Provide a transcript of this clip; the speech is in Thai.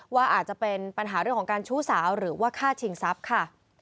ว่าอาจจะเป็นปัญหาเรื่องของการชู้สาวหรือว่าฆ่าชิงทรัพย์ค่ะ